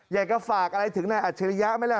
อยากจะฝากอะไรถึงนายอัจฉริยะไหมล่ะ